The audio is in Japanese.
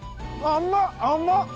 甘っ！